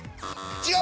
違う！